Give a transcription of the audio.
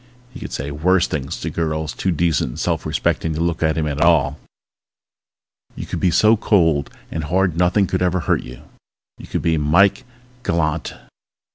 He could say worse things to girls too decent and self respecting to look at him at all. You could be so cold and hard nothing could ever hurt you. You could be Mike Galante ...